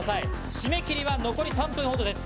締め切りは残り３分ほどです。